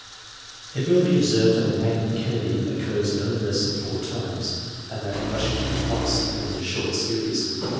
It will be observed that the name of Kennedy occurs no less than four times, and that of Lushington twice, in this short series.